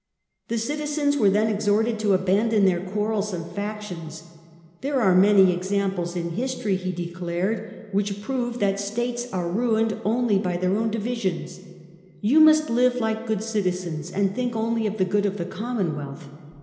The citizens were then exhorted to abandon their quarrelsome factions. " There are many examples in history," he declared, " which prove that States are ruined only by their own divisions. You must live like good citizens and think only of the good of the Commonwealth.